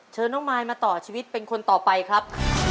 เชิญน้องมายมาต่อชีวิตเป็นคนต่อไปครับ